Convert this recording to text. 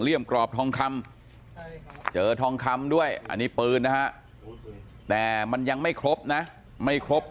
กรอบทองคำเจอทองคำด้วยอันนี้ปืนนะฮะแต่มันยังไม่ครบนะไม่ครบ